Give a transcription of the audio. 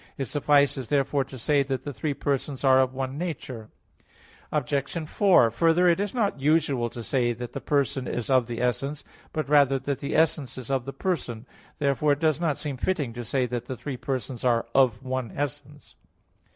It suffices therefore to say that the three persons are of one nature. Obj. 4: Further, it is not usual to say that the person is of the essence; but rather that the essence is of the person. Therefore it does not seem fitting to say that the three persons are of one essence.